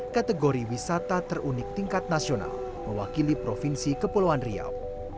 kategori wisata terunik tingkat nasional mewakili provinsi kepulauan riau